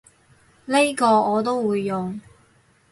呢個我都會用